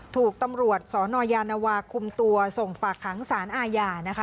ถูกตำรวจสนยานวาคุมตัวส่งฝากขังสารอาญานะคะ